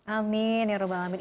amin ya rabbal alamin